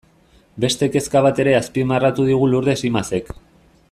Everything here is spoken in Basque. Beste kezka bat ere azpimarratu digu Lurdes Imazek.